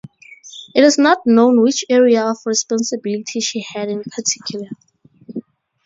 It is not known which area of responsibility she had in particular.